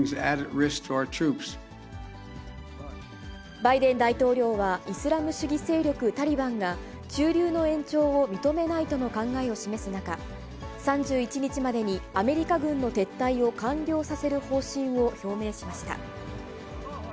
バイデン大統領は、イスラム主義勢力タリバンが、駐留の延長を認めないとの考えを示す中、３１日までにアメリカ軍の撤退を完了させる方針を表明しました。